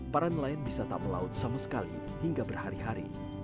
para nelayan bisa tak melaut sama sekali hingga berhari hari